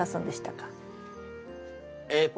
えっと。